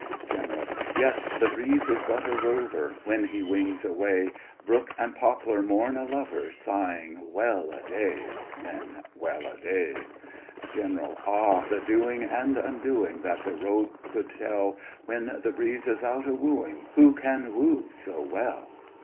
GENERAL: Yet, the breeze is but a rover, When he wings away, Brook and poplar mourn a lover Sighing,"Well a day!" MEN: Well a day! GENERAL: Ah! the doing and undoing, That the rogue could tell! When the breeze is out a wooing, Who can woo so well?